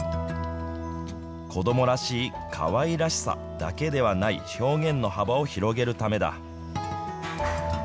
子どもらしいかわいらしさだけではない表現の幅を広げるためだ。